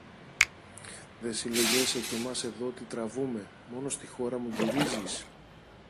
Δε συλλογιέσαι και μας εδώ τι τραβούμε, μόνο στη χώρα μου γυρίζεις;